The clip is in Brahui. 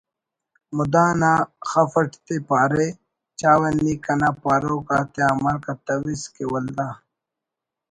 مدان آ خف اٹ تے پارے ”چاوہ نی کنا پاروک آتیا عمل کتویس کہ ولدا